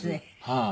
はい。